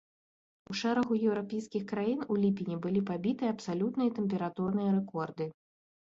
У шэрагу еўрапейскіх краін у ліпені былі пабіты абсалютныя тэмпературныя рэкорды.